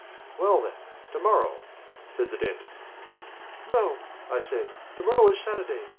"Well, then, to morrow," said the dentist. "No," I said, "to morrow is Saturday.